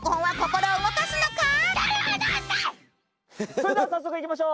それでは早速いきましょう。